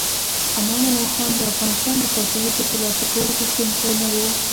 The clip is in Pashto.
امان الله خان د افغانستان د پاچاهۍ د ترلاسه کولو غوښتونکی نه و.